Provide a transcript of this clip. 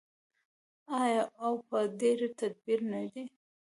آیا او په ډیر تدبیر نه دی؟